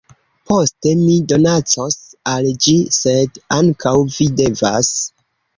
Poste, mi donacos al ĝi sed ankaŭ vi devas